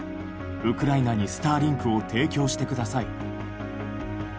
ウクライナにスターリンクを提供してください！」。